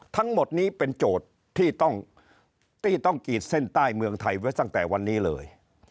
ทั้งหมดนี้เป็นโจทย์ที่ต้องที่ต้องกีดเส้นใต้เมืองไทยไว้ตั้งแต่วันนี้เลย